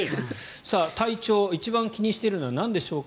体調一番気にしているのはなんでしょうか。